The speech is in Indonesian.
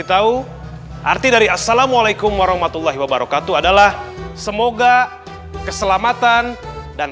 ngerti dari assalamualaikum warahmatullah wabarakatuh adalah semoga keselamatan dan